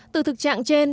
từ thực trạng trên